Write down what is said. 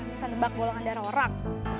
bisa nebak golongan darah orang